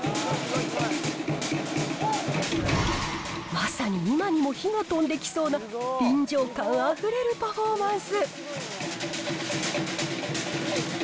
まさに今にも火が飛んできそうな、臨場感あふれるパフォーマンス。